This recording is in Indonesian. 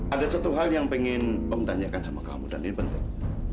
ada satu hal yang pengen om tanyakan sama kamu dan ini penting